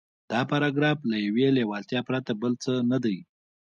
دا پاراګراف له يوې لېوالتیا پرته بل څه نه دی.